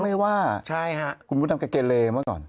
แกก็ไม่ว่าคุณมดดำก็เกเลเมื่อก่อน